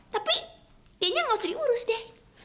tapi czasnya ga usah diurus deh